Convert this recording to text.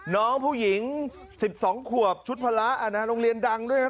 น้องผู้หญิงสิบสองขวบชุดภาระอาณาโรงเรียนดังด้วยนะครับ